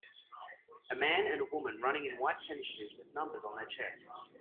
A man and woman running in white tennis shoes with numbers on their chests.